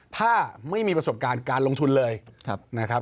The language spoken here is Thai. ถ้าไม่มีประสบการณ์การลงทุนเลยนะครับ